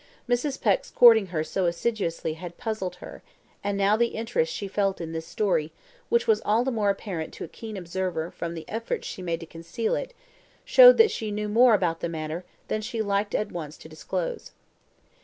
Mrs. Peck's courting her so assiduously had puzzled her; and now the interest she felt in this story, which was all the more apparent to a keen observer from the efforts she made to conceal it, showed that she knew more about the matter than she liked at once to disclose.